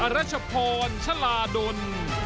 รัชพรชลาดล